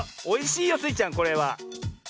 おいしいよスイちゃんこれは。